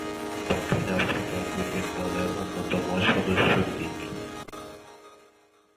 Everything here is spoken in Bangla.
দক্ষিণ আফ্রিকা ক্রিকেট দলের অন্যতম সদস্য তিনি।